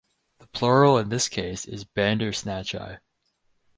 The plural in this case is bandersnatchi.